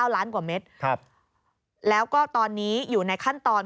ล้านกว่าเมตรแล้วก็ตอนนี้อยู่ในขั้นตอน